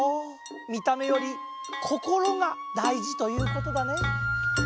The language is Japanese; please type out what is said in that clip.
みためより心がだいじということだね。